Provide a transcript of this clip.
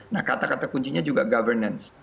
nah kata kata kuncinya juga governance